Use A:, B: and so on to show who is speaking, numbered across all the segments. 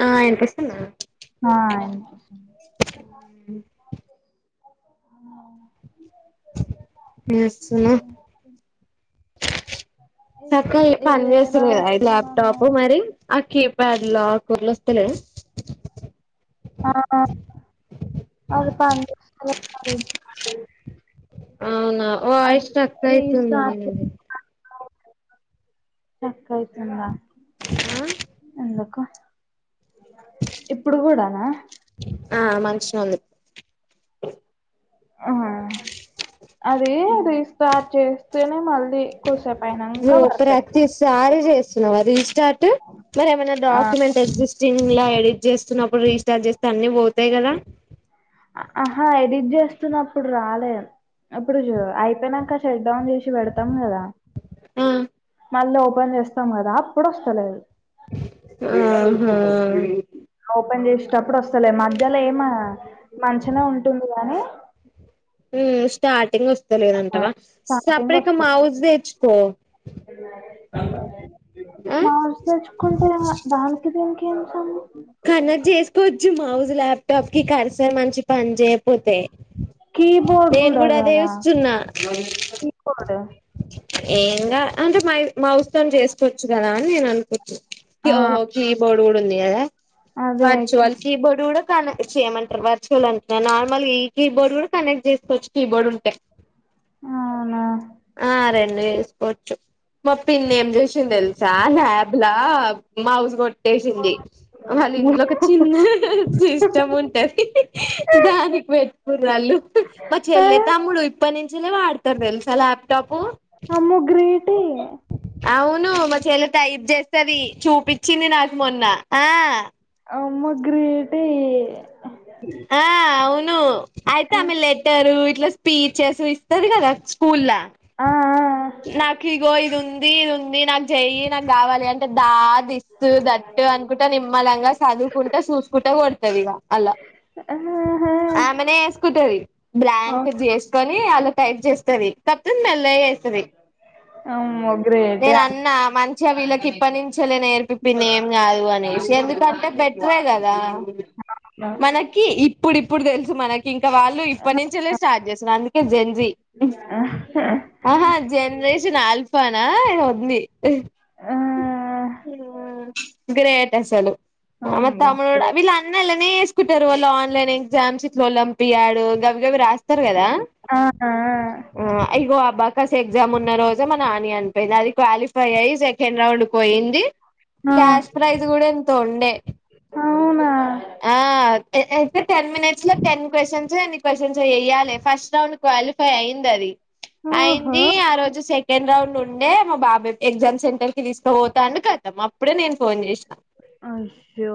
A: ఆ వినిపిస్తుందా ఏస్తున్నా, చక్కగా పని
B: ఇదే
A: చేస్తుంది కదా?
B: రాసుకున్నాను
A: ల్యాప్టాప్ మరి ఆ కీబ్ ప్యాడ్ లో కుర్లు వస్తలే.
B: ఆ అది పనిచేస్తలే మరి.
A: అవునా వాయిస్ తక్కువైతుంది నీది.
B: చక్కయితుందా? ఎందుకు? ఇప్పుడు కూడానా.
A: ఆ మంచిగ ఉంది.
B: హు హూ అది రీ స్టార్ట్ చేస్ తెనా మరి, అది కోసేపైనంక పడుతాయి.
A: సినారీస్. చార్ట్ మరి ఏమైనా
B: ఆ
A: డాక్యుమెంట్ ఎగ్స్ట్. స్క్రీన్ లా ఎడిట్ చేస్తున్నప్పుడు రీస్టార్ట్ చేస్తే అన్ని పోతాయి కదా?
B: హా ఎడిట్ జెస్ చూస్తున్నప్పుడు రాలే, అప్పుడు చు అయిపోయినాక చె. పెడా క
A: ఆ
B: మ [unintelligible] పని చేస్తాం కదా అప్పుడు వస్తలేదు.
A: ఆహా!
B: ఓపన్ చేసేతప్పుడువస్త్ అసలే మధ్యలో ఏమ మంచినే ఉంటుంది గాని,
A: హ్మ్! స్టార్టింగ్ విత్
B: ఆ
A: తెలియదంటావా
B: స్టార్టింగ్
A: సపరేట్గా
B: వస్తది
A: మౌజ్ తెచ్చుకో.
B: మౌస్ తెచ్చుకుంటే దానికి దీనికి ఏం సం
A: కనెక్ట్ చేసుకోవచ్చు మౌజు ల్యాప్టాప్ కి కరసరు మంచి పని చే. పోతే
B: కీబోర్డ్
A: నేను కూడా
B: కదా
A: అదేచూస్తున్న.
B: కీబోర్డ్
A: ఏంగాదు, అంటే మై మౌస్ తో నీ చేసుకోవచ్చు కదా? అదే అనుకుతుు
B: ఆ
A: [unintelligible] ఓహో! Keyboard. ఉంది కదా,
B: అదే కి
A: వర్చువల్ కీ బోర్డు కూడా. కనెక్ట్ చేయమంటారు వర్చువల్ అంటున్నారు నార్మల్ ఈ కీబోర్డ్ కూడా కనెక్ట్ చేసుకోవచ్చు. కీబోర్డ్ ఉంటే.
B: అవునా
A: ఆ, అరే! ేసుకోచ్చు మా పిన్నీ ఏం చేసిందో తెల్ సా హాబ్ లా మౌజ్ కొట్టేసింది వాళ్ళ ఇంట్లో ఒక చిన్న సిస్టమ్ ఉంటది దానికి పెట్టుకున్నారు వాళ్ళు మా
B: అరే
A: చెల్లయితే తమ్ముడు ఇప్పటి నించినె వాడతారు తెలుస ల్యాప్టాప్
B: అమ్మో గ్రేటే
A: అవును మా చెల్లయితే టైప్ చేస్త స్తది చూపించింది నాకు మొన్న ఆ
B: అమ్మో గ్రే టే
A: ఆ అవును ఆయితె ఆమె లెటరు ఇట్ల స్పీ చేసు ఇస్తది కదా స్కూల్లా
B: ఆ ఆ
A: నాకు ఇగో ఇది ఉంది నాక చేయిి నాకు కావాలి అంటే దా దిస్తు దట్టు అనుకుంట నిమ్మలంగా చదువుకుంటా చూసుకుంట కొడుతది ఇగ అల
B: ఆహా
A: ఆమెనే వేసుకుంటది బ్లాంక్ చేసుకొని అలా టైప్ చేస్తది కాక్పోతే మెల్లగ చేస్తుది
B: అమ్మో గ్రేట్
A: చ్చ వీళ్ళకి ఇప్పటి నుంచే లె నేర్పి పిన్ని ఏం కాదు అనేసి ఎందుకంటే బెట్రే కదా
B: అంటున్నా
A: మనకి ఇ ప్పుడు ఇప్పుడు తెల్సు మనక్ ఇంక వాళ్ళు ఇప్పటి నుంచేలే స్టార్ట్ చేస్తుారు అందుకే జన్ జీ ఆహా జనరేషన్ల్ ప్రోనా ఇక ఉంది
B: ఆ
A: ఉహ్ గ్రేట్ అసలు
B: అమ్మో
A: అవునతమి
B: గ్రేట్
A: లోడా అలానే వేసుకుంటారు వాళ్ళ ఆన్లైన్ ఎగ్జామ్స్ ఇట్లావాళ్ల ర్పిపియాడు గమ్ రాస్తారు కదా
B: ఆ ఆ
A: బసాస్ ఎగ్జామ్ ఉన్న రోజు మన ఆని అనిపోయింది అది క్వాలిఫై అయ్యి సెకండ్ రౌండ్కి పోయింది
B: ఆ
A: క్యాష్ ప్రైస్ కూడా ఎంతో ఉండే
B: అవునా
A: ఆ అయితే తె టెన్ మినిట్స్లో టెన్ క్వషన్స్ ఎన్ని క్వశ్చన్స్ వయ్యాలి ఫస్ట్ రౌండ్ క్వాలిఫై అయి్యింది అది
B: ఓహో
A: అయింది ఆ రోజు సె సెకెండ్ రౌడ్ ఉండే మా బాబాయ్ ఎగ్జామ్ సెంటర్ కి తీసు పోతాను కట్ల పామ్ ఇప్పుడే నేను ఫోన్ చేసినా
B: అయ్యో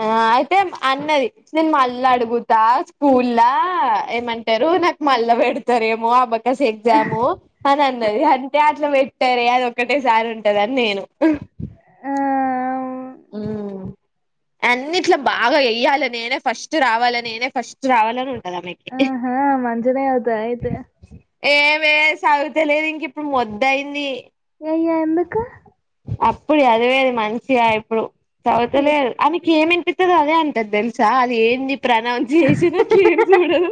A: ఆ అయితే అన్నది నేను మళ్ళీ మళ అడుగుతా స్కూల్లా ఏమంటారు నాకు మల్ళా పెడతారుమో ఆ బ స ఎగ్జామ్ అది అన్నది అంటే అట్లా పెట్టార అది ఒక్కటేసారి ఉంటదా
B: ఆ
A: ఆ అన్నిట్లో బాగా వెయ్యాలి నేనే ఫస్ట్ రావాలి నేనే ఫస్ట్ రావాలని ఉంటు
B: ఆహా మజనే అవతు అయితే
A: ఏమే సాగుతలేదు ఇంక ఇప్పుడు మొదుయింది
B: ఏయ్యా ఎందుకా
A: ఇప్పుడు అదివే అది మంచిగా ఇప్పుడు చౌత
B: ఎ-
A: అమెకి ఏమి త్త అదే అంటది తెలుసా అది ఏంది ప్రనౌన్స్ చేసినట్లు ఏం చూడదు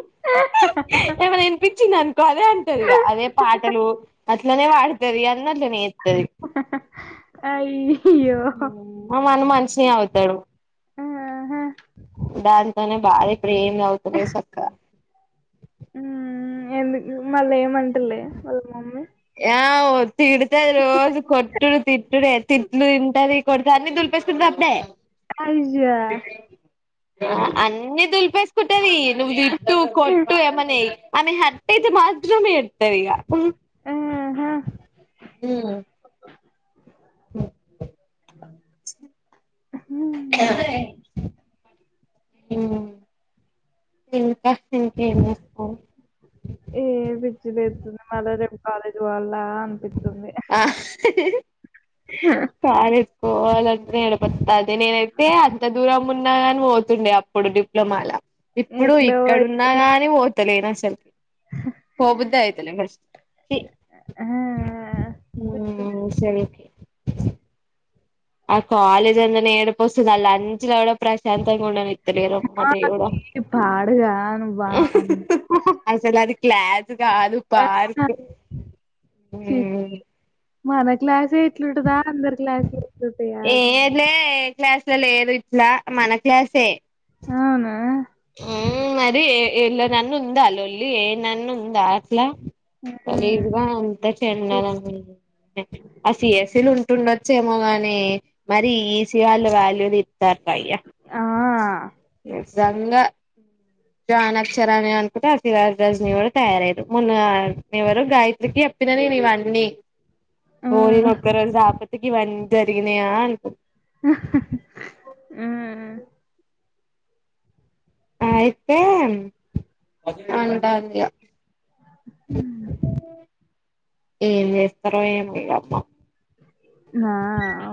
A: ఏమైనా వినిపించింది అంత అదే అంటది ఇక అదే పాటలు అట్లా న వాడుత అన్నట్ న
B: అయి
A: మన మంచిని అవుతాడు
B: ఆ
A: డాన్స్ తనే బాదే ఇపుడేం చదువుతలేద్ సక్కగా
B: ఊ ఎందుకు మళ్ళ ఏమంటలే వాళ్ళ మమ్మీ
A: [unintelligible] తిడుతది రోజు కొట్టుడు తిట్టుడే తిట్లు తింటది కొడుతంది దులిపేసుకుంటది అప్పుడే
B: అయ్యా
A: అన్నీ దుల్పేసు కుంటది నువ్ తిట్టు కొట్టు ఏమన్నా చెయ్ అమె హార్ట్ అయితే మాత్రం ఏడుస్తది ఇగ
B: ఆ హా
A: [unintelligible]
B: హ
A: ఊ... ఇంకా ఇంకేం చేస్తావ్
B: ఏ పిచ్చి లేస్తుంది మళ్ళ రేపు కాలేజ్ రాను అలా అనిపిస్తుంది
A: కాదు పోవాలంటేనే ఏడుపోస్తంది నేనైతే అంత దూరం ఉన్నాగాని పోతుండే అప్పుడు డిప్లొమాల ఇప్పుడు
B: ఎట్లో
A: ఇక్కడున్నా
B: అయితది
A: గాని తెలియదు అస్సల్కి పోబుద్ది అయితలే
B: ఆ
A: [unintelligible] ఊ...
B: పిచ్చి లే-
A: సరే ఓకె ఆ కాలేజ్ అంటేనే ఏడుపొస్తుంది ఆ లంచ్ లో కూడా ప్రశాంతంగా ఉండనియ్యరు అసలు అది
B: [inaudible]
A: క్లాస్ అది కాదు పార్కు ఊ..
B: ఛీ మన క్లాసే ఇట్లుంటదా అందరు క్లాసులు ఇట్లుంటాయా
A: ఏ లే క్లాస్ల లేదు ఇపుడు ఆ మన క్లాసే
B: అవునా
A: ఆ మరి ఎలా నన్ను ఉందా అల లొల్లి ఏ నన్ను ఉందా అట్లా కలీజ్గా అంత చెన్నాల ఆ సిఎస్ఎల్ ఉంట [inaudible] ఉట్టుండొచ్చేమో గాని మరి ఏసి వాళ్ళ వాల్యూని జార్ప య్య
B: ఆ ఆ
A: స గాని అక్షరాలు. ని అనుకుంటే ఆ సినరాజ రజ్నివరు తయారయ్యదు మొన్న ఎవరు గాయత్రికి చెప్పిన నేను ఇవన్నీ ఓ ఈ ఒక రోజు ఈ ఇవన్నీ అన్ని జరిగినాయా అ
B: అ
A: ఆయితే అంట
B: హ్మ్మ్
A: ఏం చేస్తారో ఏమో ఇగ అర్థంకాలే
B: నా అ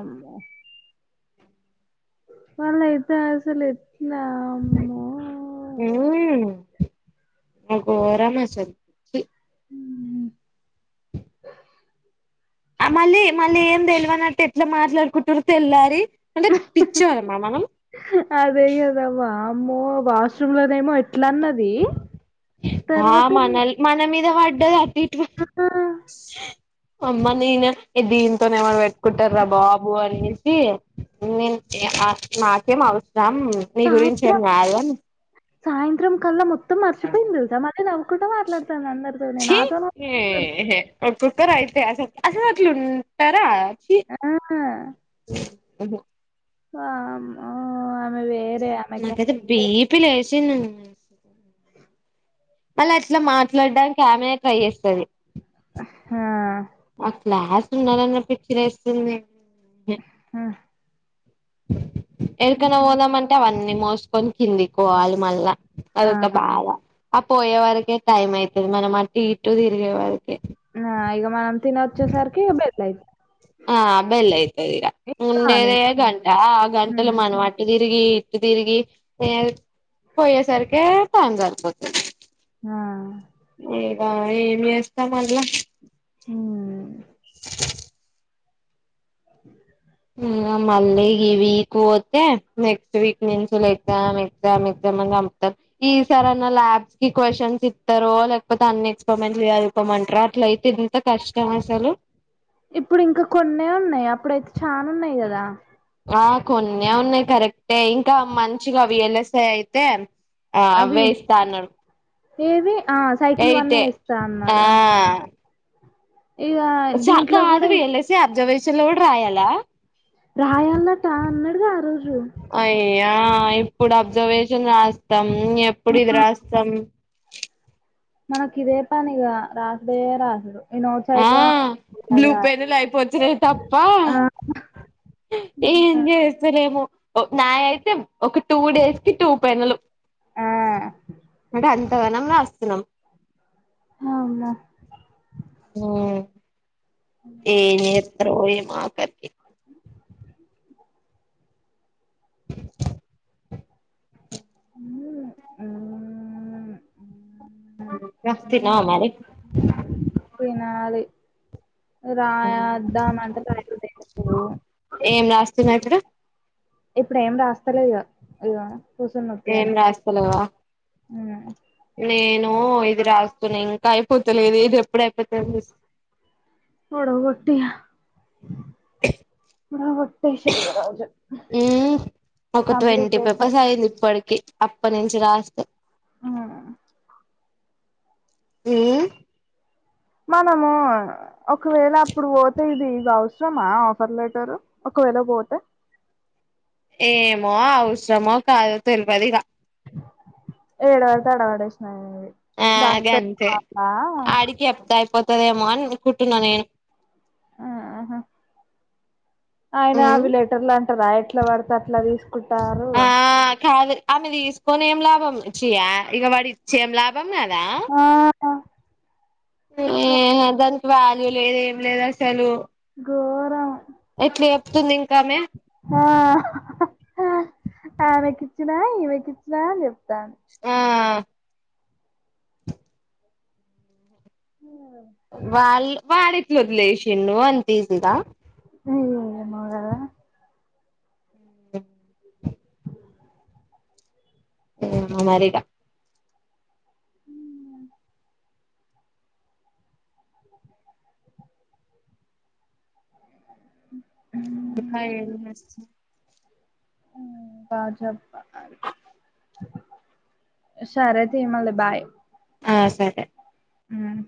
B: మళ్లీ ఇతే అసలు ఎట్లా అమ్మో
A: నాకు ఓవ్వరు నచ్చరు చి
B: ఉమ్.
A: అ మళ్ళీ మళ్ళీ ఏం తెలివనట్టు ఎట్లా మాట్లాడుకుటురు తెల్లాలి
B: అదేగదవామ్ మ్మో వాష్ రూమ్ లోనేమో ఇట్ల అన్నది తర్వాత న
A: ద వడ్డ
B: ఆ
A: అమ్మ నేనే దీంతోనేవరు పెట్కుంటారా బాబు అనేసి నేను నాకేం అవసరం రామ్ నీ గురించి ఏమ
B: సాయంత్రం
A: కాదు
B: సాయంత్రం కల్ల మొత్తం తం మర్చిపోయింది తెల్సా మల్ల నవ్ కుంట మాట్లాడు
A: చి ఏహే దరైతే అసల్ అట్లుంటారా
B: ఆ
A: ఉహు
B: వామ్మో అ
A: మాకు అయితే బీపిలేసింది వ మళ్ళీ అట్ల మాట్లాడానికి ఆమెనే ట్రై చేస్తది
B: ఆ హా
A: ఆ క్లాస్ల ఉండాలన్న పిచ్చి లేస్తుంది
B: ఆ
A: ఏడికన్న పోదామంటే అవన్నీ మొస్ కొని కిందికొవాలి మల్ల
B: ఆ
A: అదొక బాధ ఆ పోయే వరకే టైం అయితది మనం అటు ఇటు తిరిగే వరికె
B: ఆ ఇగ మనం తినొచ్చేసరికి బెల్ ఐ
A: ఆ బెల్ ఐతది ఇగ
B: కానీ
A: ఉండేదే గంట ఆ గంటల
B: హ్మ్.
A: మనం అటు ఇటు అటు తిరిగి ఇటు తిరిగి పోయేసరికి టైం సరిపోతది
B: ఆ
A: ఆ ఏం చేస్త మల్ల
B: ఉమ్
A: ఇగ మళ్ళీ ఈ వీక్ పోతే నెక్స్ట్ వీక్ వొతే ఎగ్జామ్ ఎగ్జామ్ ఎగ్జామ్ అని చంపుతరు ఈ సారీ అన్న ల్యాబ్స్ కి క్వషన్స్ ఇస్తారో లేకపోతే అన్ని ఎక్స్పరిమెంట్స్ చదువుకోమంటరో అట్లయితే ఎంత కష్టం అసలు
B: ఇప్పుడు ఇంకా కొన్ని ఉన్నాయి అప్పుడైతే చా ఉన్నాయి కదా
A: ఆ కొన్ని ఉన్నాయి కరెక్టే ఇంకా మంచిగా అవేలసాయి అయితే ఆ అవే ఇస్తా అన్నాడు
B: ఏవి ఆ సైకిల్ వన్
A: ఎయిటే
B: ఇస్తా
A: ఆ
B: అన్నాడు ఇగ దీంట్లో
A: కాదు
B: కూడా
A: విఎల్ఐసి అబ్జర్వేషన్ స కుడా రాయాల
B: రాయాలట అన్నాడుగా ఆ రోజు
A: ఆ ఇప్పుడు అబ్జర్వేషన్ రాస్తాం ఎప్పుడు ఇది రాస్తాం
B: మనకి ఇదే పనిగా రాసుడే రాసుడు ఈ నోట్స్
A: ఆ
B: అయిపో అది
A: బ్లూ
B: రా
A: పెన్లు అయిపోతున్నాయి తప్ప
B: ఆ
A: ఏం చేస్తలేము నా అయితే ఒక టూ డేస్ కి టూ పెన్నులు
B: ఆ
A: అడ తగనం రాస్తున్నాం
B: అవునా
A: ఉమ్ ఏమితరో ఏమో కత్తి
B: హ్మ్. హ్మ్. హ్మ్. హ్మ్.
A: తిన్నవా మరి
B: హ్మ్. రాద్దా అంటే రాడు
A: మాత్ర
B: ఇప్పుడు ఏం రాస్తలే ఇ ఇ
A: ఏం రాస్తలేవా
B: ఉ
A: నేను ఇది రాస్తున్నా ఇంకా అయిపోతలేదు ఇది ఎప్పుడు అయిపోతు
B: మడ పటియా బ ఒకట్టటి ఏ రోజు
A: ఉమ్
B: కంప్లిట్ చేస
A: అప్ప నుంచి రాస్
B: ఆ
A: ఆ
B: మనము ఒకవేళ అప్పుడు పోతే ఇది ఇది అవసరమా ఆఫర్ లెటరు ఒకవేళ పోతే
A: ఏమో అవసరమో కాదో తెలియదు ఇక
B: ఏడ అవుతాడో వాడే సిన్నా
A: ఆ గంతే ఆడికి చెప్తా అయిపోతదేమో అని కుంటున్నా నేను
B: ఆహ ఆయన
A: ఉమ్
B: అది లెటర్లు అంటదా ఎట్లా ఎట్లా పడితే అట్ల తీసుకుంటారు
A: ఆమెది ఏసుకొని ఏం లాభం ఇచ్చయా ఇక వాడి ఇచ్చే ఏం లాభం దొంగదా
B: ఆ
A: అదె దం వాళ్ళు లేదు ఏం లేద్ అసలు
B: గోరం
A: ఎట్లి చెప్తుంది ఇంకామె
B: ల అమెకిచ్చినా నీకిచ్చినా చెప్ స్తాన్
A: ఆ ఇల్లోదిషిన్డు అంతీ సిగా
B: అయ్యా
A: ఎ అమెరికా
B: అ
A: ముకా ఏం చేస్
B: బాగ జరుపుకున్నారు ఉషారేమై తె బాయ్
A: హా సరె
B: ఉమ్